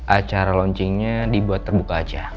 acara launchingnya dibuat terbuka aja